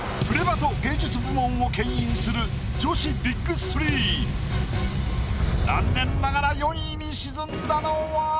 『プレバト』芸術部門をけん引する女子ビッグ３残念ながら４位に沈んだのは？